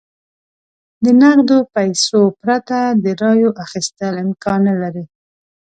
د نغدو پیسو پرته د رایو اخیستل امکان نه لري.